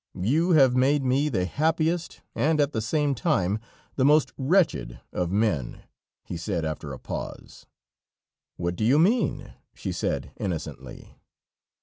"You have made me the happiest, and at the same time the most wretched of men," he said after a pause. "What do you mean?" she said innocently.